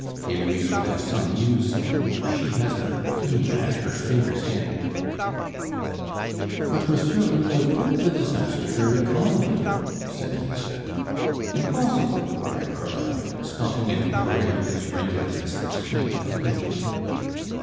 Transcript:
"Heloise will have some news for me, for she has her bohemia at her fingers' end." "But Monsieur Hulot took the disaster very calmly," said Lisbeth. "Impossible!" cried Crevel, stopping in a parade as regular as the swing of a pendulum.